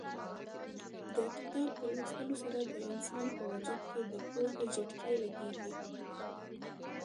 د کتاب په لوستلو سره د انسان په وجود کې د پوهې جټکې لګېږي.